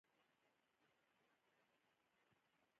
پانګوال د کارګرانو د استثمار کچه لوړه کوي